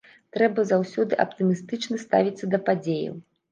Трэба заўсёды аптымістычна ставіцца да падзеяў.